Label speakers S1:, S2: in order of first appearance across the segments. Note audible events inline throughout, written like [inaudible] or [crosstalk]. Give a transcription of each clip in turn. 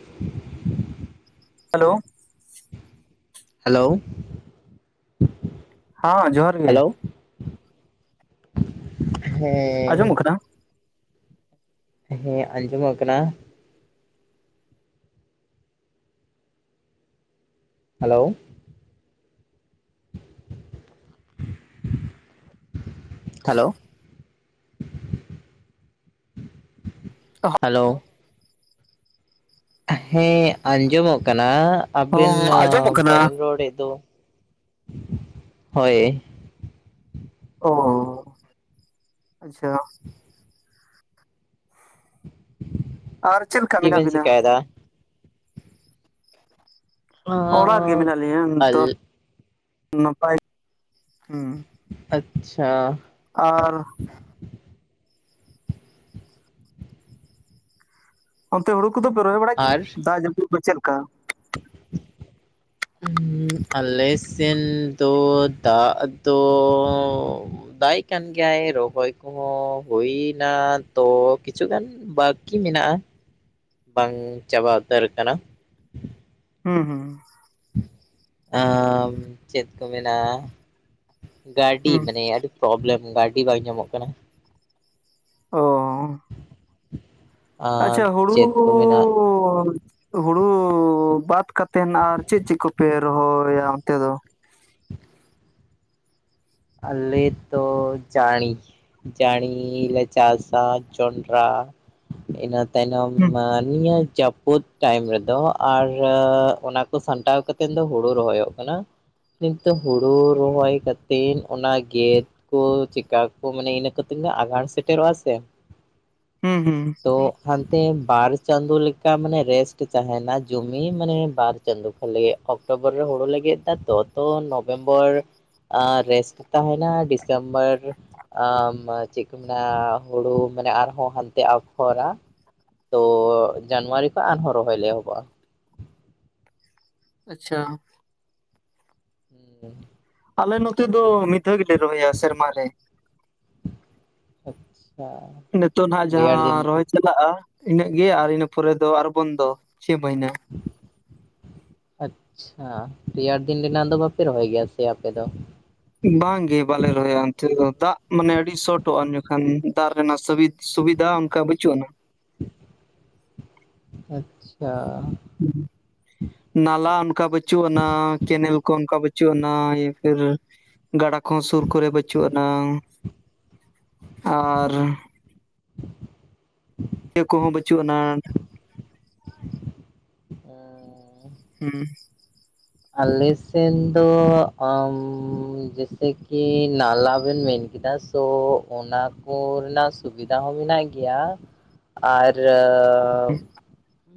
S1: [inaudible]
S2: Hello.
S1: Hello.
S2: ᱦᱚᱸ ᱡᱚᱦᱟᱨ ᱜᱮ᱾
S1: ᱦᱮᱸᱺ
S2: ᱟᱸᱡᱚᱢᱚᱜ ᱠᱟᱱᱟ?
S1: ᱦᱮᱸ ᱟᱸᱡᱚᱢᱚᱜ ᱠᱟᱱᱟ᱾ ᱦᱮᱞᱳ [inaudible] ᱦᱮᱞᱳ ᱦᱮᱞᱳ ᱦᱮᱸ ᱟᱸᱡᱚᱢᱚᱜ ᱠᱟᱱᱟ ᱟᱵᱤᱱ
S2: ᱦᱚᱸ ᱟᱸᱡᱚᱢᱚᱜ ᱠᱟᱱᱟ᱾
S1: ᱵᱟᱵᱤᱱ ᱨᱚᱲᱮᱫ ᱫᱚ? ᱦᱳᱭ᱾
S2: ᱚ ᱟᱪᱪᱷᱟ ᱟᱨ ᱪᱮᱫ ᱞᱮᱠᱟ ᱢᱮᱱᱟᱜ
S1: ᱵᱮᱱ
S2: ᱵᱤᱱᱟ?
S1: ᱪᱤᱠᱟᱭᱮᱫᱟ
S2: ᱚᱲᱟᱜ ᱨᱮᱜᱮ ᱢᱮᱱᱟᱜ ᱞᱤᱧᱟᱹ
S1: ᱟᱞ
S2: ᱱᱤᱛᱚᱜ [inaudible] ᱱᱟᱯᱟᱭ [inaudible]
S1: ᱟᱪᱪᱷᱟ᱾
S2: ᱟᱨ ᱚᱱᱛᱮ ᱦᱩᱲᱩ ᱠᱚᱫᱚᱯᱮ ᱨᱚᱦᱚᱭ ᱵᱟᱲᱟᱭ ᱜᱮᱭᱟ
S1: ᱟᱨ
S2: ᱫᱟᱜ ᱡᱟᱹᱯᱩᱫ ᱫᱚ ᱪᱮᱫ ᱞᱮᱠᱟ?
S1: ᱟᱞᱮ ᱥᱮᱱ ᱫᱚ ᱫᱟᱜ ᱫᱚ ᱫᱟᱜᱭᱮᱫ ᱠᱟᱱ ᱜᱮᱭᱟᱭ ᱨᱚᱦᱚᱭ ᱠᱚᱦᱚᱸ ᱦᱩᱭ ᱮᱱᱟ ᱛᱚ ᱠᱤᱪᱷ ᱜᱟᱱ ᱵᱟᱹᱠᱤ ᱢᱮᱱᱟᱜᱼᱟ ᱵᱟᱝ ᱪᱟᱵᱟ ᱩᱛᱟᱹᱨ ᱟᱠᱟᱱᱟ᱾
S2: [unintelligible]
S1: ᱪᱮᱫ ᱠᱚ ᱢᱮᱱᱟ ᱜᱟᱹᱰᱤ
S2: ᱦᱩᱸ
S1: ᱢᱟᱱᱮ ᱟᱹᱰᱤ ᱯᱨᱚᱵᱞᱮᱢ ᱜᱟᱹᱰᱤ ᱵᱟᱝ ᱧᱟᱢᱚᱜ ᱠᱟᱱᱟ᱾
S2: ᱚᱻ ᱚᱻ᱾
S1: ᱟᱨ
S2: ᱟᱪᱪᱷᱟ ᱦᱩᱲᱩ
S1: ᱪᱮᱫ ᱠᱚ ᱢᱮᱱᱟ
S2: [unintelligible] ᱦᱩᱲᱩ ᱵᱟᱫ ᱠᱟᱛᱮᱱ ᱟᱨ ᱪᱮᱫ ᱪᱮᱫ ᱠᱚᱯᱮ ᱨᱚᱦᱚᱭᱟ ᱚᱱᱛᱮ ᱫᱚ?
S1: ᱟᱞᱮ ᱫᱚ ᱡᱟᱲᱤ ᱡᱟᱹᱲᱤ ᱞᱮ ᱪᱟᱥᱟ ᱡᱚᱱᱰᱨᱟ ᱤᱱᱟ ᱛᱟᱭᱱᱚᱢ ᱱᱤᱭᱟᱹ ᱡᱟᱹᱯᱩᱫ--‌ ᱴᱟᱭᱤᱢ ᱨᱮᱫᱚ ᱟᱨ ᱚᱱᱟᱠᱚ ᱥᱟᱢᱴᱟᱣ ᱠᱟᱛᱮᱫ ᱫᱚ ᱦᱩᱲᱩ ᱨᱚᱦᱚᱭᱚᱜ ᱠᱟᱱᱟ᱾ ᱱᱤᱛᱚᱜ ᱦᱩᱲᱩ ᱨᱚᱦᱚᱭ ᱠᱟᱛᱤᱱ ᱚᱱᱟ ᱜᱮ [unintelligible] ᱪᱮᱠᱟ ᱠᱚ ᱢᱟᱱᱮ ᱤᱱᱟᱹ ᱠᱟᱛᱮ ᱟᱸᱜᱷᱟᱬ ᱥᱮᱴᱮᱨᱚᱜᱼᱟ ᱥᱮ᱾
S2: ᱦᱩᱸ ᱦᱩᱸ᱾
S1: ᱛᱚ ᱦᱟᱱᱛᱮ ᱵᱟᱨ ᱪᱟᱸᱫᱳ ᱞᱮᱠᱟ ᱢᱟᱱᱮ ᱨᱮᱥᱴ ᱛᱟᱦᱮᱱᱟ ᱡᱚᱢᱤ ᱢᱟᱱᱮ ᱵᱟᱨ ᱪᱟᱸᱫᱳ ᱠᱚ ᱞᱟᱹᱭᱟ ᱚᱠᱴᱳᱵᱚᱨ ᱨᱮ ᱦᱳᱲᱳ ᱞᱮ ᱜᱮᱫ ᱫᱟᱛᱚ ᱛᱚ ᱱᱚᱵᱷᱮᱢᱵᱚᱨ ᱟᱨ ᱨᱮᱥᱴ ᱛᱟᱸᱦᱮᱱᱟ ᱰᱤᱥᱮᱢᱵᱚᱨ ᱟᱢ ᱪᱮᱫ ᱠᱚ ᱢᱮᱱᱟ ᱦᱩᱲᱩ ᱢᱟᱱᱮ ᱟᱨᱦᱚᱸ ᱦᱟᱱᱛᱮ ᱟᱯᱷᱚᱨᱟ᱾ ᱛᱚ ᱡᱟᱱᱩᱣᱟᱨᱤ ᱠᱷᱚᱱ ᱟᱨᱦᱚᱸ ᱨᱚᱦᱚᱭ ᱞᱮ ᱮᱦᱚᱵᱚᱜᱼᱟ᱾
S2: ᱟᱪᱪᱷᱟ᱾
S1: [inaudible]
S2: ᱟᱞᱮ ᱱᱚᱛᱮ ᱫᱚ ᱢᱤᱫ ᱫᱷᱟᱣ ᱜᱮᱞᱮ ᱨᱚᱦᱚᱭᱟ ᱥᱮᱨᱢᱟ ᱨᱮ᱾
S1: ᱟᱪᱪᱷᱟ᱾
S2: ᱱᱤᱛᱚᱜ ᱱᱟᱦᱟᱜ
S1: ᱨᱮᱭᱟᱲ ᱫᱤᱱ
S2: ᱡᱟᱦᱟᱸ ᱨᱚᱦᱚᱭ ᱪᱟᱞᱟᱜᱼᱟ ᱤᱱᱟᱹᱜ ᱜᱮ, ᱟᱨ ᱤᱱᱟᱹ ᱯᱚᱨᱮ ᱫᱚ ᱟᱨ ᱵᱚᱱᱫᱚ ᱪᱷᱚᱭ ᱢᱟᱦᱱᱟᱹ᱾
S1: ᱟᱪᱪᱷᱟ, ᱨᱮᱭᱟᱲ ᱫᱤᱱ ᱨᱮᱱᱟᱜ ᱫᱚ ᱵᱟᱯᱮ ᱨᱚᱦᱚᱭ ᱜᱮᱭᱟ ᱥᱮ ᱟᱯᱮ ᱫᱚ?
S2: ᱵᱟᱝ ᱜᱮ ᱵᱟᱞᱮ ᱨᱚᱦᱚᱭᱟ ᱚᱱᱛᱮ ᱫᱚ ᱫᱟᱜ ᱢᱟᱱᱮ ᱟᱹᱰᱤ ᱥᱚᱴᱚᱜᱼᱟ ᱡᱚᱠᱷᱟᱱ ᱫᱟᱜ ᱨᱮᱱᱟᱜ ᱥᱩᱵᱤᱛ ᱥᱩᱵᱤᱫᱷᱟ ᱚᱱᱠᱟ ᱵᱟᱪᱩᱜ ᱟᱱᱟ᱾
S1: ᱟᱪᱪᱷᱟ᱾
S2: ᱦᱩᱸ ᱱᱟᱞᱟ ᱚᱱᱠᱟ ᱵᱟᱹᱪᱩᱜ ᱟᱱᱟ, ᱠᱮᱱᱮᱞ ᱠᱚ ᱚᱱᱠᱟ ᱵᱟᱹᱪᱩᱜ ᱟᱱᱟ ᱯᱷᱤᱨ ᱜᱟᱰᱟ ᱠᱚᱦᱚᱸ ᱥᱩᱨ ᱠᱚᱨᱮ ᱵᱟᱹᱪᱩᱜ ᱟᱱᱟ ᱟᱨᱻ ᱤᱭᱟᱹ ᱠᱚᱦᱚᱸ ᱵᱟᱹᱪᱩᱜ ᱟᱱᱟ᱾
S1: ᱟᱨ [inaudible]
S2: ᱦᱩᱸ
S1: ᱟᱞᱮ ᱥᱮᱱ ᱫᱚ ᱡᱮᱥᱮ ᱠᱤ ᱱᱟᱞᱟ ᱵᱮᱱ ᱢᱮᱱ ᱠᱮᱫᱟ, ᱛᱚ ᱚᱱᱟ ᱠᱚ ᱨᱮᱱᱟᱜ ᱥᱩᱵᱤᱫᱟ ᱦᱚᱸ ᱢᱮᱱᱟᱜ ᱜᱮᱭᱟ ᱟᱨᱻ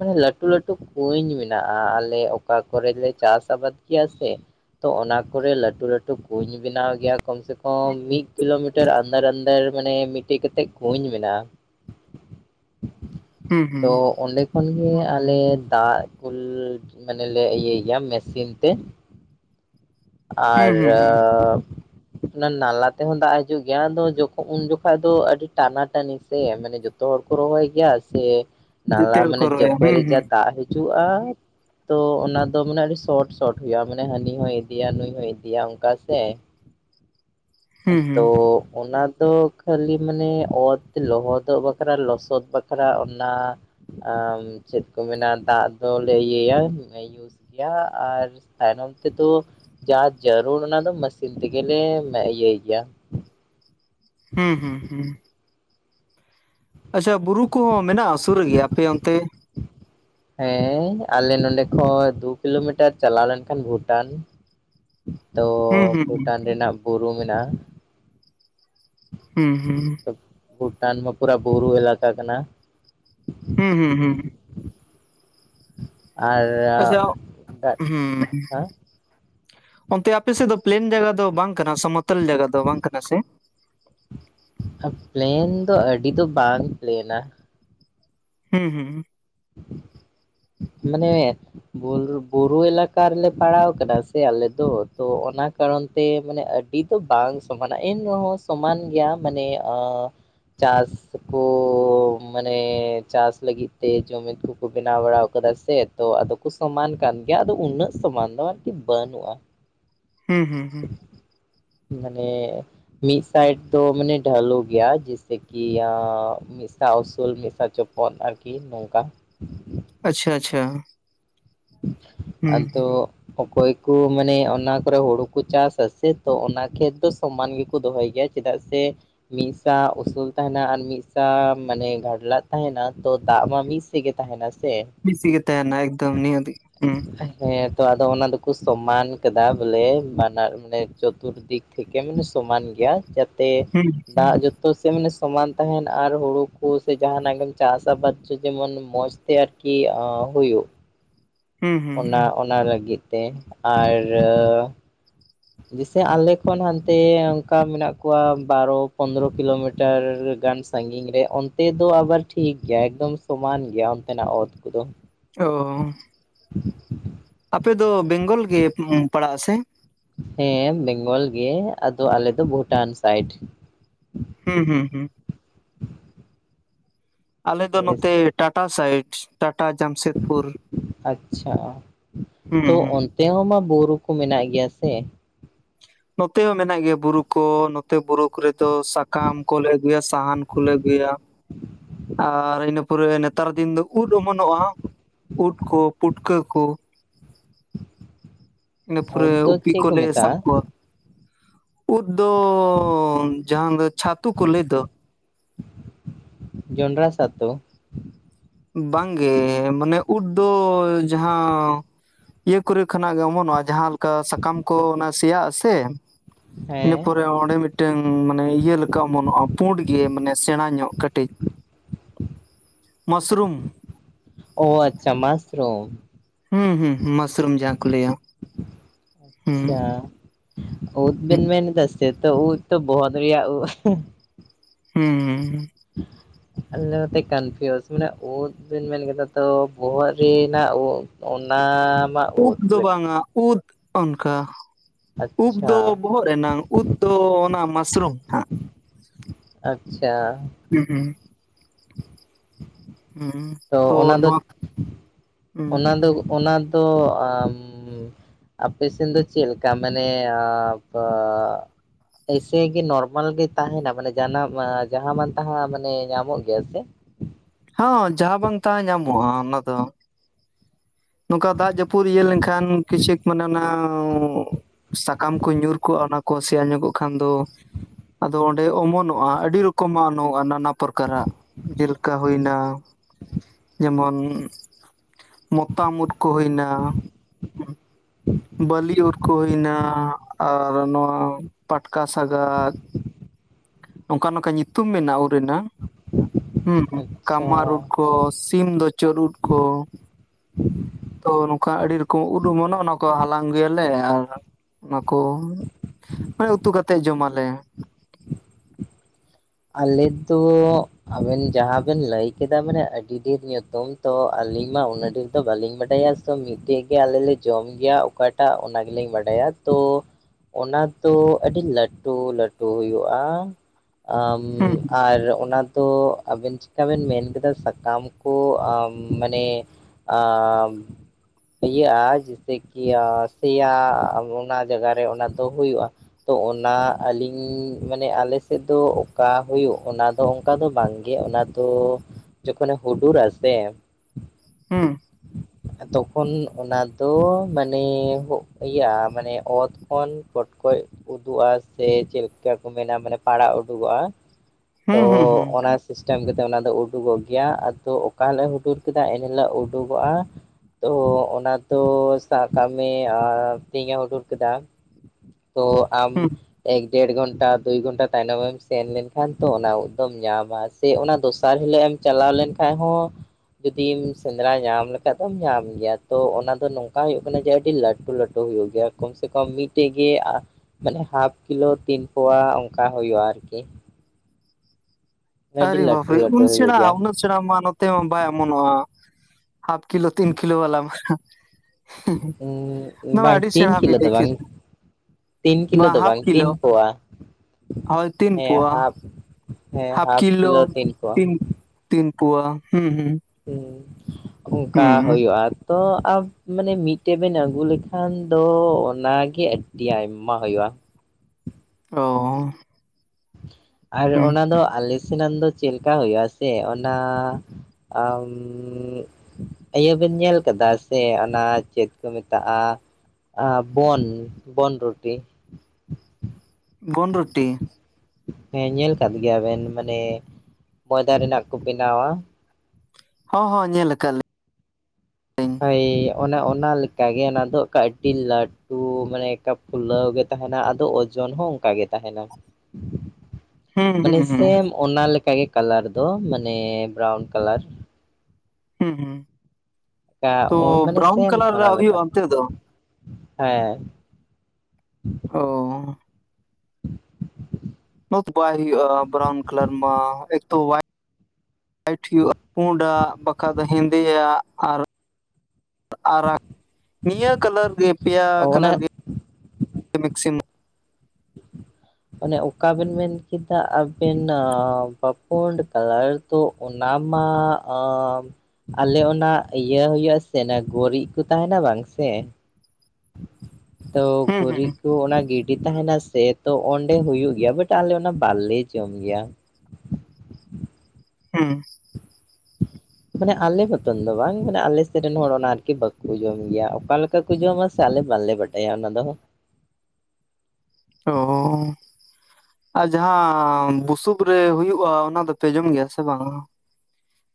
S1: ᱢᱟᱱᱮ ᱞᱟᱹᱴᱩ ᱞᱟᱹᱴᱩ ᱠᱩᱸᱧ ᱢᱮᱱᱟᱜᱼᱟ ᱟᱞᱮ ᱚᱠᱟ ᱠᱚᱨᱮᱞᱮ ᱪᱟᱥ ᱟᱵᱟᱫ ᱜᱮᱭᱟ ᱥᱮ ᱛᱚ ᱚᱱᱟ ᱠᱚᱨᱮ ᱞᱟᱹᱴᱩ ᱞᱟᱹᱴᱩ ᱠᱩᱧ ᱵᱮᱱᱟᱣ ᱜᱮᱭᱟ ᱠᱚᱢ ᱥᱮ ᱠᱚᱢ ᱢᱤᱫ ᱠᱤᱞᱳᱢᱤᱴᱟᱨ ᱴᱟᱨ ᱟᱱᱫᱟᱨ ᱟᱱᱫᱟᱨ ᱢᱟᱱᱮ ᱢᱤᱫᱴᱮᱡ ᱠᱟᱛᱮᱜ ᱠᱩᱧ ᱢᱮᱱᱟᱜᱼᱟ᱾
S2: ᱦᱩᱸ ᱦᱩᱸ
S1: ᱛᱚ ᱚᱸᱰᱮ ᱠᱷᱚᱱ ᱜᱮ ᱟᱞᱮ ᱫᱟᱜ ᱠᱚᱞ ᱢᱟᱱᱨ ᱞᱮ ᱤᱭᱟᱹᱭ ᱜᱮᱭᱟ ᱢᱮ ᱥᱤᱱ ᱛᱮ ᱟᱨᱻ
S2: ᱦᱩᱸ ᱦᱩᱸ ᱦᱩᱸ
S1: ᱚᱱᱟ ᱱᱟᱞᱟ ᱛᱮᱦᱚᱸ ᱫᱟᱜ ᱦᱤᱡᱩᱜ ᱜᱮᱭᱟ, ᱟᱫᱚ ᱩᱱ ᱡᱚᱠᱷᱚᱡ ᱫᱚ ᱟᱹᱰᱤ ᱴᱟᱱᱟ ᱴᱟᱱᱤ ᱥᱮ ᱢᱟᱱᱮ ᱡᱚᱛᱚ ᱦᱚᱲ ᱠᱚ ᱨᱚᱦᱚᱭ ᱜᱮᱭᱟ ᱥᱮ, ᱱᱟᱞᱟ
S2: ᱡᱮᱛᱮ ᱦᱚᱲ ᱠᱚ
S1: ᱢᱟᱱᱮ
S2: ᱨᱚᱦᱚᱭᱟ
S1: ᱡᱟᱹᱯᱟᱹᱨ ᱨᱮ
S2: ᱦᱩᱸ
S1: ᱡᱟ
S2: ᱦᱩᱸ
S1: ᱫᱟᱜ ᱦᱤᱼᱼ ᱡᱩᱜᱼᱟ, ᱛᱚ ᱚᱱᱟ ᱫᱚ ᱢᱟᱱᱮ ᱟᱹᱰᱤ ᱥᱚᱴ ᱥᱚᱴ ᱦᱩᱭᱩᱜᱼᱟ ᱢᱟᱱᱮ ᱦᱟᱹᱱᱤ ᱦᱚᱸᱭ ᱤᱫ ᱤᱫᱤᱭᱟ ᱱᱩᱭ ᱦᱚᱭ ᱤᱫᱤᱭᱟ ᱚᱱᱠᱟ ᱥᱮ,
S2: ᱦᱩᱸ
S1: ᱛᱚ
S2: ᱦᱩᱸ
S1: ᱚᱱᱟ ᱫᱚ ᱠᱷᱟᱹᱞᱤ ᱢᱟᱱᱮ ᱚᱛ ᱞᱚᱦᱚᱫᱚᱜ ᱵᱟᱠᱷᱨᱟ ᱞᱚᱥᱚᱫ ᱵᱟᱠᱷᱨᱟ ᱚᱱᱟᱻ ᱟ ᱪᱮᱫ ᱠᱚ ᱢᱮᱱᱟ ᱫᱟᱜ ᱫᱚᱞᱮ ᱤᱭᱟᱹᱭᱟ ᱵᱮᱥ ᱜᱮᱭᱟ ᱟᱨ ᱛᱟᱭᱱᱚᱢ ᱛᱮᱫᱚ ᱡᱟ ᱡᱟᱹᱨᱩᱲ ᱚᱱᱟ ᱫᱚ ᱢᱮᱥᱤᱱ ᱛᱮᱜᱮᱞᱮ ᱤᱭᱟᱹᱭ ᱜᱮᱭᱟ᱾
S2: ᱦᱩᱸ ᱦᱩᱸ ᱦᱩᱸ᱾ ᱟᱪᱪᱷᱟ ᱵᱩᱨᱩ ᱠᱚ ᱢᱮᱱᱟᱜ-ᱟ ᱥᱩᱨ ᱜᱮᱭᱟ ᱟᱯᱮ ᱚᱱᱛᱮ?
S1: ᱦᱮᱸᱻ ᱟᱞᱮ ᱱᱚᱰᱮ ᱠᱷᱚᱡ ᱫᱩ ᱠᱤᱞᱳᱢᱤᱴᱟᱨ ᱪᱟᱞᱟᱣ ᱞᱮᱱᱠᱷᱟᱱ ᱵᱷᱩᱴᱟᱱ ᱾ ᱛᱚᱻ
S2: ᱦᱩᱸ ᱦᱩᱸ ᱦᱩᱸ
S1: ᱵᱷᱩᱴᱟᱱ ᱨᱮᱱᱟᱜ ᱵᱩᱨᱩ ᱢᱮᱱᱟᱜ-ᱟ ᱾
S2: ᱦᱩᱸ ᱦᱩᱸ᱾
S1: ᱵᱷᱩᱴᱟᱱ ᱢᱚ ᱯᱩᱨᱟᱹ ᱵᱩᱨᱩ ᱮᱞᱟᱠᱟ ᱠᱟᱱᱟ ᱾
S2: ᱦᱩᱸ ᱦᱩᱸ ᱦᱩᱸ᱾
S1: ᱟᱨ
S2: ᱟᱪᱪᱷᱟ
S1: ᱦᱮᱸ
S2: ᱦᱩᱸ
S1: ᱦᱮᱸ᱾
S2: ᱚᱱᱛᱮ ᱟᱯᱮᱥᱮᱫ ᱫᱚ ᱯᱞᱮᱥᱮᱱ ᱡᱟᱭᱜᱟ ᱫᱚ ᱵᱟᱝ ᱠᱟᱱᱟ ᱥᱚᱢᱚᱛᱚᱞ ᱡᱟᱭᱜᱟ ᱫᱚ ᱵᱟᱝ ᱠᱟᱱᱟ ᱥᱮ?
S1: ᱯᱞᱮᱱ ᱫᱚ ᱟᱹᱰᱤ ᱫᱚ ᱵᱟᱝ ᱯᱞᱮᱱᱟ ᱾
S2: ᱦᱩᱸ ᱦᱩᱸ ᱦᱩᱸ
S1: ᱢᱟᱱᱮ ᱵᱩᱞ ᱵᱩᱨᱩ ᱮᱞᱟᱠᱟ ᱨᱮᱞᱮ ᱯᱟᱲᱟᱣ ᱠᱟᱱᱟ ᱥᱮ ᱟᱞᱮ ᱫᱚ ᱛᱚ ᱚᱱᱟ ᱠᱟᱨᱚᱱ ᱛᱮ ᱢᱟᱱᱮ ᱟᱹᱰᱤ ᱫᱚ ᱵᱟᱝ ᱥᱚᱢᱟᱱᱟ, ᱮᱱ ᱨᱮᱦᱚᱸ ᱥᱚᱢᱟᱱ ᱜᱮᱭᱟ ᱢᱟᱱᱮ ᱟᱸᱻ ᱪᱟᱥᱠᱩᱻ ᱢᱟᱱᱮ ᱪᱟᱥ ᱞᱟᱹᱜᱤᱫ ᱛᱮ ᱡᱩᱢᱤᱫ ᱠᱩᱠᱚ ᱵᱮᱱᱟᱣ ᱵᱟᱲᱟᱣ ᱠᱟᱫᱟ ᱥᱮ ᱛᱚ ᱟᱫᱚ ᱠᱚ ᱥᱚᱢᱟᱱ ᱠᱟᱱ ᱜᱮᱭᱟ ᱟᱫᱚ ᱩᱱᱟᱹᱜ ᱥᱚᱢᱟᱱ ᱫᱚ ᱟᱨᱠᱤ ᱵᱟᱹᱱᱩᱜ-ᱟ ᱾
S2: ᱦᱩᱸ ᱦᱩᱸ ᱦᱩᱸ
S1: ᱢᱟᱱᱮ ᱢᱤᱫ ᱥᱟᱭᱤᱰ ᱫᱚ ᱢᱟᱱᱮ ᱰᱷᱟᱹᱞᱩ ᱜᱮᱭᱟ ᱡᱮᱭ ᱥᱮᱠᱤ ᱟᱻ ᱢᱤᱫᱥᱟ ᱩᱥᱩᱞ ᱢᱤᱫᱥᱟ ᱪᱚᱯᱚᱫ ᱟᱨᱠᱤ ᱱᱚᱝᱠᱟ ᱾
S2: ᱟᱪᱪᱷᱟ ᱟᱪᱪᱷᱟ᱾ ᱦᱩᱸ
S1: ᱟᱫᱚᱻ ᱚᱠᱚᱭ ᱠᱚ ᱢᱟᱱᱮ ᱚᱱᱟ ᱠᱚᱨᱮ ᱦᱩᱲᱩ ᱠᱚ ᱪᱟᱥ ᱟᱥᱮ ᱛᱚ ᱚᱱᱟ ᱠᱷᱮᱛ ᱫᱚ ᱥᱚᱢᱟᱱ ᱜᱮᱠᱚ ᱫᱚᱦᱚᱭ ᱜᱮᱭᱟ ᱾ ᱪᱮᱫᱟᱜ ᱥᱮᱼᱼ ᱢᱤᱫᱥᱟ ᱩᱥᱩᱞ ᱛᱟᱦᱮᱱᱟ ᱟᱨ ᱢᱤᱫᱥᱟ ᱢᱟᱱᱮ ᱜᱷᱟᱰᱞᱟᱜ ᱛᱟᱦᱮᱱᱟ ᱛᱚ ᱫᱟᱜ ᱢᱟ ᱢᱤᱫ ᱥᱮᱜᱮ ᱛᱟᱦᱮᱱᱟ ᱥᱮ
S2: ᱢᱤᱫᱥᱮ ᱜᱮ ᱛᱟᱦᱮᱱᱟ ᱮᱠᱫᱚᱢ ᱱᱤᱦᱟᱹᱛ ᱦᱩᱸ ᱾
S1: ᱦᱮᱸ ᱛᱚ ᱟᱫᱚ ᱚᱱᱟ ᱫᱚᱠᱚ ᱥᱚᱢᱟᱱ ᱠᱟᱫᱟ ᱵᱚᱞᱮ ᱵᱟᱱᱟᱨ ᱢᱟᱱᱮ ᱪᱚᱛᱩᱨᱫᱤᱠ ᱛᱷᱮᱠᱮ ᱢᱟᱱᱮ ᱥᱚᱢᱟᱱ ᱜᱮᱭᱟ ᱡᱟᱛᱮ
S2: ᱦᱩᱸ
S1: ᱫᱟᱜ ᱡᱚᱛᱚ ᱥᱮ ᱢᱟᱱᱮ ᱥᱚᱢᱟᱱ ᱛᱟᱦᱮᱱ ᱟᱨ ᱦᱩᱲᱩ ᱠᱚ ᱥᱮ ᱡᱟᱦᱟᱱᱟᱜ ᱜᱮᱢ ᱪᱟᱥ ᱟᱵᱟᱫᱽ ᱪᱚ ᱡᱮᱢᱚᱱ ᱢᱚᱡᱽ ᱛᱟ ᱛᱮ ᱟᱨᱠᱤ ᱦᱩᱭᱩᱜ
S2: ᱦᱩᱸ ᱦᱩᱸ
S1: ᱚᱱᱟ ᱚᱱᱟ ᱞᱟᱹᱜᱤᱫ ᱛᱮ ᱟᱨ ᱡᱮᱥᱮ ᱟᱞᱮ ᱠᱷᱚᱱ ᱦᱟᱱᱛᱮ ᱚᱱᱠᱟ ᱢᱮᱱᱟᱜ ᱠᱚᱣᱟ ᱵᱟᱨᱚ ᱯᱚᱱᱫᱨᱚ ᱠᱤᱞᱳᱢᱤᱴᱟᱨ ᱜᱟᱱ ᱥᱟᱺᱜᱤᱧ ᱨᱮ ᱚᱱᱛᱮ ᱫᱚ ᱟᱵᱟᱨ ᱴᱷᱤᱠ ᱜᱮᱭᱟ ᱮᱠᱫᱚᱢ ᱥᱚᱢᱟᱱ ᱜᱮᱭᱟ ᱚᱱᱛᱮᱱᱟᱜ ᱚᱛ ᱠᱚᱫᱚ ᱾
S2: ᱚᱻ
S1: [inaudible]
S2: ᱟᱯᱮ ᱫᱚ ᱵᱮᱝᱜᱚᱞ ᱜᱮ ᱯᱟᱲᱟᱜ-ᱟ ᱥᱮ?
S1: ᱦᱮᱸ ᱵᱮᱝᱜᱚᱞ ᱜᱮ ᱟᱫᱚ ᱟᱞᱮ ᱫᱚ ᱵᱷᱩᱴᱟᱱ ᱥᱟᱭᱤᱰ ᱾
S2: ᱦᱩᱸ ᱦᱩᱸ ᱦᱩᱸ ᱟᱞᱮ ᱫᱚ ᱱᱚᱛᱮ ᱴᱟᱴᱟ ᱥᱟᱭᱤᱰ ᱾ ᱴᱟᱴᱟ ᱡᱟᱢᱥᱮᱫᱯᱩᱨ ᱦᱩᱸ ᱦᱩᱸ
S1: ᱛᱮ ᱦᱚᱸᱢᱟ ᱵᱩᱨᱩ ᱠᱚ ᱢᱮᱱᱟᱜ ᱜᱮᱭᱟ ᱥᱮ
S2: ᱱᱚᱛᱮ ᱦᱚᱸ ᱢᱮᱱᱟᱜ ᱜᱮᱭᱟ ᱵᱩᱨᱩ ᱠᱚ ᱱᱚᱛᱮ ᱵᱩᱨᱩ ᱠᱚ ᱨᱮᱫᱚ ᱥᱟᱠᱟᱢ ᱠᱚᱞᱮ ᱟᱹᱜᱩᱭᱟ ᱥᱟᱦᱟᱱ ᱠᱚᱞᱮ ᱟᱹᱜᱩᱭᱟ ᱾ ᱟᱨ ᱤᱱᱟᱹ ᱯᱚᱨᱮ ᱱᱮᱛᱟᱨ ᱫᱤᱱ ᱫᱚ ᱩᱫ ᱚᱢᱚᱱᱚᱜ-ᱟ ᱩᱫ ᱠᱚ ᱯᱩᱴᱠᱟᱹ ᱠᱚ ᱾ ᱤᱱᱟᱹ ᱯᱩᱨᱮ
S1: ᱚᱛ ᱫᱚ
S2: ᱩᱯᱤ
S1: ᱪᱮᱫ ᱠᱚ
S2: ᱠᱚᱞᱮ ᱥᱟᱵ
S1: ᱢᱮᱛᱟᱜᱼᱟ
S2: ᱠᱚᱣᱟ ᱾ ᱩᱫ ᱫᱚ ᱡᱟᱦᱟᱸ ᱫᱚ ᱪᱷᱟᱛᱩ ᱠᱚ ᱞᱟᱹᱭ ᱫᱚ ᱾
S1: ᱡᱚᱱᱰᱨᱟ ᱥᱟᱛᱚ
S2: ᱵᱟᱝ ᱜᱮ ᱢᱟᱱᱮ ᱩᱫ ᱫᱚ ᱡᱟᱦᱟᱸ ᱤᱭᱟᱹ ᱠᱚᱨᱮ ᱠᱷᱚᱱᱟᱜ ᱜᱮ ᱚᱢᱢᱚᱱᱚᱜ-ᱟ, ᱡᱟᱦᱟᱸ ᱞᱮᱠᱟ ᱥᱟᱠᱟᱢ ᱠᱚ ᱚᱱᱟ ᱥᱮᱭᱟᱜ ᱟᱥᱮ᱾
S1: ᱦᱮᱸ ᱾
S2: ᱤᱱᱟᱹ ᱯᱚᱨᱮ ᱚᱸᱰᱮ ᱢᱤᱫᱴᱮᱝ ᱢᱟᱱᱮ ᱤᱭᱟᱹ ᱞᱮᱠᱟ ᱚᱢᱚᱱᱚᱜ-ᱟ, ᱯᱩᱸᱰ ᱜᱮ ᱢᱟᱱᱮ ᱥᱮᱬᱟ ᱧᱚᱜ ᱠᱟᱹᱴᱤᱡ᱾ ᱢᱟᱥᱨᱩᱢ
S1: ᱚ ᱟᱪᱪᱷᱟ ᱢᱟᱥᱨᱚᱢ᱾
S2: ᱦᱩᱸ ᱦᱩᱸ ᱢᱟᱥᱨᱩᱢ ᱡᱟᱦᱟ ᱠᱚ ᱞᱟᱹᱭ-ᱟ ᱦᱩᱸ᱾
S1: ᱟᱪᱪᱷᱟ ᱩᱫ ᱵᱤᱱ
S2: ᱦᱩᱸ
S1: ᱢᱮᱱ ᱫᱟ ᱥᱮ ᱛᱚ ᱩᱫ ᱫᱚ, ᱵᱚᱦᱚᱜ ᱨᱮᱭᱟᱜ ᱩᱵ᱾
S2: ᱦᱩᱸᱻ᱾
S1: [inaudible] ᱟᱞᱮ ᱱᱚᱛᱮ ᱠᱚᱱᱯᱷᱤᱭᱩᱥ ᱢᱟᱱᱮ ᱩᱫ ᱵᱤᱱ ᱢᱮᱱ ᱠᱮᱫᱟ ᱛᱚ ᱵᱚᱦᱚᱜ ᱨᱮᱱᱟᱜ ᱩᱵ ᱚᱱᱟ ᱢᱟ
S2: ᱩᱵ
S1: ᱩᱫ
S2: ᱫᱚ ᱵᱟᱝᱟ ᱩᱫ ᱚᱱᱠᱟ ᱩᱵ
S1: ᱟᱪᱪᱷᱟ
S2: ᱫᱚ ᱵᱚᱦᱚᱜ ᱨᱮᱱᱟᱝ, ᱩᱫ ᱫᱚ ᱚᱱᱟ ᱢᱟᱥᱨᱩᱢ᱾
S1: ᱟᱪᱪᱷᱟ᱾
S2: ᱦᱩᱸ ᱦᱩᱸ
S1: ᱛᱚ ᱚᱱᱟᱫᱚ
S2: ᱦᱩᱸ
S1: ᱚᱱᱟ ᱫᱚ ᱚᱱᱟᱫᱚ ᱟᱯᱮ ᱥᱮᱱ ᱫᱚ ᱪᱮᱫ ᱞᱮᱠᱟ ᱢᱟᱱᱮ, ᱟ ᱯᱟᱜ ᱮᱭᱥᱟᱹᱜᱮ ᱱᱚᱨᱢᱟᱞ ᱜᱮ ᱛᱟᱦᱮᱱᱟ ᱢᱟᱱᱮ ᱡᱟᱱᱟᱢ ᱡᱟᱦᱟᱸ ᱢᱟᱱ ᱛᱟᱦᱟᱸ ᱢᱟᱱᱮ ᱧᱟᱢᱚᱜ ᱜᱮᱭᱟ ᱥᱮ᱾
S2: ᱦᱟᱸ ᱡᱟᱦᱟᱸ ᱵᱟᱝ ᱛᱟᱦᱟᱸ ᱧᱟᱢᱚᱜ-ᱟ ᱚᱱᱟ ᱫᱚ᱾ ᱱᱚᱝᱠᱟ ᱫᱟᱜ ᱡᱟᱯᱩᱫ ᱤᱭᱟᱹ ᱞᱮᱱᱠᱷᱟᱱ, ᱠᱤᱪᱷᱩᱠ ᱢᱟᱱᱮ ᱚᱱᱟᱣ ᱥᱟᱠᱟᱢ ᱠᱚ ᱧᱩᱨ ᱠᱚᱜ, ᱚᱱᱟ ᱠᱚ ᱥᱮᱭᱟ ᱧᱚᱜᱚᱜ ᱠᱷᱟᱱ ᱫᱚ ᱟᱫᱚ ᱚᱸᱰᱮ ᱚᱢᱚᱱᱚᱜ-ᱟ, ᱟᱹᱰᱤ ᱨᱚᱠᱚᱢᱟᱜ ᱱᱚ ᱱᱟᱱᱟ ᱯᱟᱨᱠᱟᱨᱟᱜ᱾ ᱡᱮᱞᱮᱠᱟ ᱦᱩᱭᱱᱟ ᱡᱮᱢᱚᱱ, ᱛᱟᱢᱩᱫ ᱠᱚ ᱦᱩᱭᱱᱟ, ᱵᱟᱹᱞᱤ ᱩᱨᱠᱚ ᱦᱩᱭᱱᱟ ᱟᱨ ᱱᱚᱶᱟ ᱯᱟᱴᱠᱟ ᱥᱟᱜᱟᱫ᱾ ᱱᱚᱝᱠᱟ ᱱᱚᱝᱠᱟ ᱧᱩᱛᱩᱢ ᱢᱮᱱᱟᱜ-ᱟ, ᱩᱫ ᱨᱮᱱᱟᱜ, ᱦᱩᱸᱦᱩᱸ,
S1: ᱟᱪᱪᱷᱟ
S2: ᱠᱟᱢᱟᱨ ᱩᱫ ᱠᱚ ᱴᱤᱢ ᱫᱚ ᱪᱟᱹᱨᱩᱫ ᱩᱫ ᱠᱚ᱾ ᱛᱚ ᱱᱚᱝᱠᱟ ᱟᱹᱰᱤ ᱨᱚᱠᱚᱢ ᱩᱫ ᱚᱢᱚᱱᱚᱜ ᱚᱱᱟ ᱠᱚ ᱦᱟᱞᱟᱝ ᱟᱹᱜᱩᱭᱟᱞᱮ ᱟᱨ ᱚᱱᱟ ᱠᱚ ᱢᱟᱱᱮ ᱩᱛᱩ ᱠᱟᱛᱮᱫ ᱡᱚᱢᱟᱞᱮ ᱾
S1: ᱟᱞᱮ ᱫᱚ ᱟᱵᱮᱱ ᱡᱟᱦᱟᱸ ᱵᱮᱱ ᱞᱟᱹᱭᱠᱮᱫᱟ, ᱢᱟᱱᱮ ᱟᱹᱰᱤ ᱰᱷᱮᱨ ᱧᱩᱛᱩᱢ ᱛᱚ, ᱟᱹᱞᱤᱧ ᱢᱟ ᱩᱱᱟᱹᱜ ᱰᱷᱮᱨ ᱫᱚ ᱵᱟᱹᱞᱤᱧ ᱵᱟᱰᱟᱭᱟ ᱛᱚ ᱢᱤᱫᱴᱮᱡ ᱜᱮ ᱟᱞᱮ ᱞᱮ ᱡᱚᱢ ᱜᱮᱭᱟ ᱚᱠᱟᱴᱟᱜ ᱚᱱᱟ ᱜᱮᱞᱤᱧ ᱵᱟᱰᱟᱭᱟ ᱛᱚ ᱚᱱᱟ ᱫᱚ ᱟᱹᱰᱤ ᱞᱟᱹᱴᱩ ᱞᱟᱹᱴᱩ ᱦᱩᱭᱩᱜ-ᱟ᱾ ᱟᱢ
S2: ᱦᱩᱸ
S1: ᱟᱨ ᱚᱱᱟ ᱛᱚ ᱟᱵᱮᱱ ᱪᱮᱠᱟ ᱵᱮᱱ ᱢᱮᱱ ᱠᱮᱫᱟ ᱥᱟᱠᱟᱢ ᱠᱚ ᱟᱸᱢ ᱢᱟᱱᱮ ᱟᱨ ᱤᱭᱟᱹᱜ-ᱟ, ᱡᱮᱭᱥᱮ ᱠᱤ ᱟ ᱥᱮᱭᱟᱜ, ᱚᱱᱟ ᱡᱟᱭᱜᱟᱨᱮ ᱚᱱᱟ ᱫᱚ ᱦᱩᱭᱩᱜ-ᱟ᱾ ᱛᱚ ᱚᱱᱟ ᱟᱹᱞᱤᱧ ᱢᱟᱱᱮ ᱟᱞᱮ ᱥᱮᱫ ᱛᱚ ᱚᱠᱟ ᱦᱩᱭᱩᱜ, ᱚᱱᱟ ᱫᱚ ᱚᱱᱠᱟ ᱫᱚ ᱵᱟᱝ ᱜᱮ ᱚᱱᱟ ᱫᱚ ᱡᱚᱠᱷᱚᱱ ᱮ ᱦᱩᱰᱩᱨᱟ ᱥᱮ
S2: ᱦᱮᱸ ᱾
S1: [inaudible] ᱛᱚᱠᱷᱚᱱ ᱚᱱᱟ ᱫᱚ ᱢᱟᱱᱮ ᱤᱭᱟᱹ-ᱟ, ᱢᱟᱱᱮ ᱚᱛ ᱠᱷᱚᱱ ᱯᱚᱴᱠᱚᱡ ᱩᱫᱩᱜ ᱟ ᱥᱮ ᱪᱮᱫ ᱞᱮᱠᱟ ᱠᱚ ᱢᱮᱱᱟ ᱢᱟᱱᱮ ᱯᱟᱲᱟᱜ ᱩᱰᱩᱠᱚᱜ-ᱟ᱾
S2: ᱦᱩᱸ ᱦᱩᱸ ᱦᱩᱸ᱾
S1: ᱥᱤᱥᱴᱮᱢ ᱠᱟᱛᱮᱜ ᱚᱱᱟ ᱫᱚ ᱩᱰᱩᱠᱚᱜ ᱜᱮᱭᱟ ᱟᱫᱚ ᱚᱠᱟ ᱦᱤᱞᱳᱜ ᱮ ᱦᱩᱰᱩᱨ ᱠᱮᱫᱟ ᱮᱱᱦᱤᱞᱳᱜ ᱩᱰᱩᱠᱚᱜᱼᱟ ᱾ ᱛᱚ ᱚᱱᱟ ᱫᱚ ᱥᱟᱵ ᱠᱟᱜ ᱢᱮ, ᱟᱨ ᱛᱮᱦᱮᱧᱮᱢ ᱦᱩᱰᱩᱨ ᱠᱮᱫᱟ ᱛᱚ ᱟᱢ
S2: ᱦᱩᱸ
S1: ᱮᱠ ᱰᱮᱲ ᱜᱷᱚᱱᱴᱟ ᱫᱩᱭ ᱜᱷᱚᱱᱴᱟ ᱛᱟᱭᱱᱚᱢ ᱮᱢ ᱥᱮᱱ ᱞᱮᱱᱠᱷᱟᱱ ᱛᱚ ᱚᱱᱟ ᱫᱚᱢ ᱧᱟᱢᱟ ᱥᱮ ᱚᱱᱟ ᱫᱚᱥᱟᱨ ᱦᱤᱞᱳᱜ ᱮᱢ ᱪᱟᱞᱟᱣ ᱞᱮᱱᱠᱷᱟᱱ ᱦᱚᱸ ᱡᱩᱚᱫᱤᱢ ᱥᱮᱸᱫᱽᱨᱟ ᱧᱟᱢ ᱞᱮᱠᱷᱷᱟᱡ ᱫᱚᱢ ᱧᱟᱢ ᱜᱮᱭᱟ ᱛᱚ ᱚᱱᱟᱫᱚ ᱱᱚᱝᱠᱟ ᱦᱩᱭᱩᱜ ᱠᱟᱱᱟ ᱡᱮ ᱟᱹᱰᱤ ᱞᱟᱹᱴᱩ ᱞᱟᱹᱴᱩ ᱦᱩᱭᱩᱜ ᱜᱮᱭᱟ ᱠᱚᱢ ᱥᱮ ᱠᱚᱢ ᱢᱤᱫᱴᱮᱡ ᱜᱮ ᱢᱟᱱᱮ ᱦᱟᱯ ᱠᱤᱞᱳ ᱛᱤᱱ ᱯᱳᱣᱟ ᱚᱝ ᱚᱱᱠᱟ ᱦᱩᱭᱩᱜᱼᱟ ᱟᱨᱠᱤ᱾ ᱟᱹᱰᱤ
S2: ᱟᱨᱮ
S1: ᱞᱟᱹᱴᱩ
S2: ᱵᱟᱯᱨᱮ
S1: ᱞᱟᱹᱴᱩ
S2: ᱩᱱ
S1: ᱦᱩᱭᱩᱜ
S2: ᱥᱮᱲᱟ
S1: ᱜᱮᱭᱟ
S2: ᱩᱱᱟᱹᱜ ᱥᱮ ᱲᱟ ᱢᱟ ᱱᱚᱛᱮ ᱢᱟ ᱵᱟᱭ ᱚᱢᱚᱱᱚᱜᱼᱟ ᱦᱟᱯ ᱠᱤᱞᱳ ᱛᱤᱱ ᱠᱤᱞᱳ ᱵᱟᱞᱟ ᱢᱟ᱾
S1: ᱩᱸ
S2: ᱱᱚᱣᱟ
S1: ᱵᱟᱝ
S2: ᱟᱹᱰᱤ
S1: ᱛᱤᱱ
S2: ᱥᱮᱬᱟ
S1: ᱠᱤᱞᱳ
S2: ᱵᱤᱱ
S1: ᱫᱚ
S2: ᱞᱟᱹᱭ
S1: ᱵᱟᱝ
S2: ᱠᱮᱫ
S1: ᱛᱤᱱ ᱠᱤᱞᱳ ᱫᱚ ᱵᱟᱝ ᱛᱤᱱ ᱯᱳᱣᱟ᱾
S2: ᱦᱚᱭ ᱛᱤᱱ ᱯᱚᱣᱟ
S1: ᱦᱮᱸ
S2: ᱦᱟᱯᱷ ᱠᱤᱞᱳ
S1: ᱛᱤᱞ ᱠᱚ
S2: ᱛᱤᱱ ᱛᱤᱱ ᱯᱳᱣᱟ ᱦᱩᱸ ᱦᱩᱸ᱾
S1: ᱦᱮᱸ ᱚᱱᱠᱟ
S2: ᱦᱩᱸ
S1: ᱦᱩᱭᱩᱜᱼᱟ ᱛᱚ ᱟ ᱢᱟᱱᱮ ᱢᱤᱫᱴᱮᱱ ᱵᱮᱱ ᱟᱹᱜᱩ ᱞᱮᱠᱷᱟᱱ ᱫᱚ ᱚᱱᱟ ᱜᱮ ᱟᱹᱰᱤ ᱟᱭᱢᱟ ᱦᱩᱭᱩᱜᱼᱟ᱾
S2: ᱚᱻ᱾
S1: ᱟᱨ ᱚᱱᱟ ᱫᱚ ᱟᱞᱮ ᱥᱮᱱᱟᱜ ᱫᱚ ᱪᱮᱫ ᱞᱮᱠᱟ ᱦᱩᱭᱩᱜᱼᱟ ᱥᱮ ᱚᱱᱟ ᱟᱢ ᱤᱭᱟᱹ ᱵᱮᱱ ᱧᱮᱞ ᱠᱟᱫᱟ ᱥᱮ ᱚᱱᱟ ᱪᱮᱫ ᱠᱚ ᱢᱮᱛᱟᱜᱼᱟ ᱟᱨ ᱵᱚᱱ ᱵᱚᱱᱨᱩᱴᱤ᱾
S2: ᱵᱳᱱᱨᱩᱴᱤ
S1: ᱦᱮᱸ ᱧᱮᱞ ᱟᱠᱟᱫ ᱜᱮᱭᱟ ᱵᱮᱱ ᱢᱟᱱᱮ ᱢᱚᱭᱫᱟ ᱨᱮᱱᱟᱜ ᱠᱚ ᱵᱮᱱᱟᱣᱟ᱾
S2: ᱦᱚᱸ ᱦᱚᱸ ᱧᱮᱞ ᱟᱠᱟᱫ ᱞᱤᱧ
S1: ᱦᱚᱭ ᱚᱱᱮ ᱚᱱᱟ ᱞᱮᱠᱟᱜᱮ ᱚᱱᱟ ᱫᱚ ᱚᱠᱟ ᱟᱹᱰᱤ ᱞᱟᱹᱴᱩ ᱢᱟᱱᱮ ᱠᱟ ᱯᱷᱩᱞᱟᱹᱣ ᱜᱮ ᱛᱟᱦᱮᱱᱟ ᱟᱫᱚ ᱳᱡᱳᱱ ᱦᱚᱸ ᱚᱱᱠᱟᱜᱮ ᱛᱟᱦᱮᱱᱟ᱾
S2: ᱞᱤᱧ ᱦᱩᱸ
S1: ᱢᱟᱱᱮ
S2: ᱦᱩᱸ ᱦᱩᱸ
S1: ᱥᱮᱢ ᱚᱱᱟᱞᱮᱠᱟᱜᱮ ᱠᱟᱞᱟᱨ ᱫᱚ ᱢᱟᱱᱮ ᱵᱨᱟᱣᱩᱱ ᱠᱟᱞᱟᱨ᱾
S2: ᱦᱩᱸ ᱦᱩᱸ ᱛᱚ
S1: ᱢᱟᱱᱮ
S2: ᱵᱨᱟᱣᱩᱱ ᱠᱟᱞᱟᱨ ᱨᱮ ᱦᱩᱭᱩᱜᱼᱟ ᱚᱱᱛᱮ ᱫᱚ?
S1: ᱦᱮᱸᱻ᱾
S2: ᱚᱻ᱾ [unintelligible] ᱛᱚ ᱵᱟᱭ ᱦᱩᱭᱩᱜᱼᱟ ᱵᱨᱟᱣᱩᱱ ᱠᱟᱞᱟᱨ ᱢᱟ ᱮᱠᱛᱚ [unintelligible] ᱦᱟᱭᱤᱴ ᱦᱩᱭᱩᱜᱼᱟ ᱯᱩᱸᱰᱟᱜ ᱵᱟᱠᱷᱟ ᱫᱚ ᱦᱮᱸᱫᱮᱭᱟᱜ ᱟᱨ ᱟᱨᱟᱜ ᱱᱤᱭᱟᱹ ᱠᱟᱞᱟᱨ ᱜᱮ ᱯᱮᱭᱟ
S1: ᱚᱱᱟ
S2: ᱠᱟᱞᱟᱨ ᱜᱮ ᱢᱮᱠᱥᱤᱢᱟᱢ
S1: ᱚᱱᱮ ᱚᱠᱟᱵᱮᱱ ᱢᱮᱱ ᱠᱮᱫᱟ ᱟᱵᱮᱱ ᱯᱩᱱᱰ ᱠᱟᱞᱟᱨ ᱛᱚ ᱚᱱᱟ ᱢᱟ ᱟᱯ ᱟᱞᱮ ᱚᱱᱟ ᱤᱭᱟᱹ ᱦᱩᱭᱩᱜ ᱟᱥᱮ ᱜᱩᱨᱤᱡ ᱠᱚ ᱛᱟᱦᱮᱱᱟ ᱵᱟᱝ ᱥᱮ ᱛᱚ ᱜᱩᱨᱤᱡ ᱠᱚ ᱚᱱᱟ ᱜᱤ ᱛᱟᱦᱮᱱᱟ ᱥᱮ ᱛᱚ ᱚᱸᱰᱮ ᱦᱩᱭᱩᱜ ᱜᱮᱭᱟ ᱵᱮᱴᱟ ᱟᱞᱮ ᱚᱱᱟ ᱵᱟᱞᱮ ᱡᱚᱢ ᱜᱮᱭᱟ᱾
S2: ᱦᱩᱸ᱾
S1: [inaudible] ᱢᱟᱱᱮ ᱟᱞᱮ ᱦᱚᱛᱚᱱ ᱫᱚ ᱵᱟᱝ ᱢᱟᱱᱮ ᱟᱞᱮᱥᱮᱫ ᱨᱮᱱ ᱦᱚᱲ ᱚᱱᱟ ᱟᱨᱠᱤ ᱵᱟᱠᱚ ᱡᱚᱢ ᱜᱮᱭᱟ ᱚᱠᱟ ᱞᱮᱠᱟ ᱠᱚ ᱡᱚᱢᱟ ᱥᱮ ᱟᱞᱮ ᱵᱟᱞᱮ ᱵᱟᱰᱟᱭᱟ᱾ ᱮᱭᱟ ᱚᱱᱟ ᱫᱚ
S2: ᱚ ᱦᱚᱸᱻ᱾ ᱟᱨ ᱡᱟᱦᱟᱸ ᱵᱩᱥᱩᱵ ᱨᱮ ᱦᱩᱭᱩᱜᱼᱟ ᱚᱱᱟ ᱫᱚᱯᱮ ᱡᱚᱢ ᱜᱮᱭᱟ ᱥᱮ ᱵᱟᱝᱟ?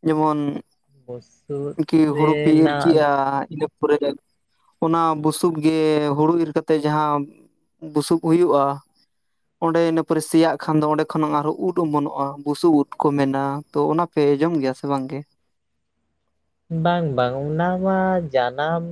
S2: ᱡᱮᱢᱚᱱ
S1: ᱵᱩᱥᱩᱵ
S2: ᱠᱤ ᱦᱩᱲᱩ ᱯᱮ ᱤᱨ
S1: ᱨᱮᱱᱟᱜ
S2: ᱠᱮᱜᱼᱟ ᱤᱱᱟᱹ ᱯᱚᱨᱮ ᱜᱮ ᱚᱱᱟ ᱵᱩᱥᱩᱵ ᱜᱮ ᱦᱩᱲᱩ ᱤᱨ ᱠᱟᱛᱮ ᱡᱟᱦᱟᱸ ᱵᱩᱥᱩᱵ ᱦᱩᱭᱩᱜᱼᱟ᱾ ᱚᱸᱰᱮ ᱤᱱᱟᱹ ᱯᱚᱨᱮ ᱥᱮᱭᱟᱜ ᱠᱷᱟᱱ ᱫᱚ ᱚᱸᱰᱮ ᱠᱷᱚᱱᱟᱜ ᱟᱨᱦᱚᱸ ᱩᱫ ᱚᱢᱚᱱᱚᱜᱼᱟ ᱵᱩᱥᱩᱵ ᱩᱫ ᱠᱚ ᱢᱮᱱᱟ ᱛᱚ ᱚᱱᱟ ᱯᱮ ᱡᱚᱢ ᱜᱮᱭᱟ ᱥᱮ ᱵᱟᱝᱜᱮ?
S1: ᱵᱟᱝ ᱵᱟᱝ ᱚᱱᱟ ᱢᱟ ᱡᱟᱱᱟᱢ